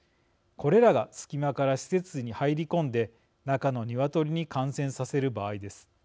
これらが隙間から施設に入り込んで中の鶏に感染させる場合です。